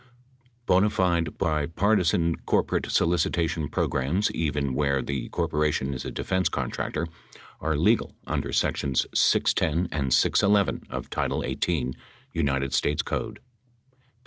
Bona fide bipartisan corporate solicitation programs, even where the corporation is a defense contractor, are legal under sections 610 and 611 of title 18, United States Code.